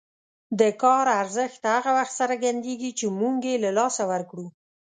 د کار ارزښت هغه وخت څرګندېږي چې موږ یې له لاسه ورکړو.